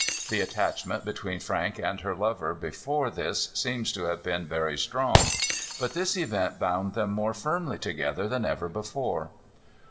The attachment between Frank and her lover before this seems to have been very strong. But this event bound them more firmly together than ever before.